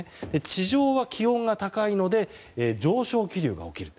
地上は気温が高いので上昇気流が起きる。